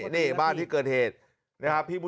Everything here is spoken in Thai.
นี่บ้านที่เกินเหตุ